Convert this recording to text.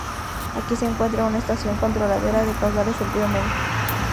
Aquí se encuentra una estación controladora de caudales del río Negro.